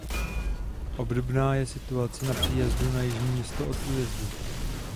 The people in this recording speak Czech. Obdobná je situace na příjezdu na Jižní Město od Újezdu.